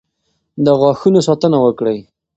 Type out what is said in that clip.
د غاښونو ساتنه وکړئ.